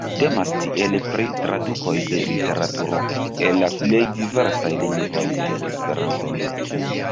Temas tiele pri tradukoj de literaturo el la plej diversaj lingvoj en Esperanton.